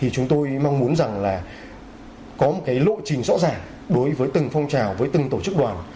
chúng tôi mong muốn rằng là có một lộ trình rõ ràng đối với từng phong trào với từng tổ chức đoàn